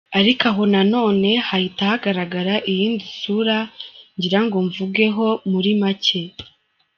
Ariko aho na none hahita hagaragara iyindi sura ngira ngo mvugeho muri make.